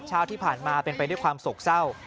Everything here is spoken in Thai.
เช้าที่ผ่านมาเป็นไปด้วยความโศกเศร้า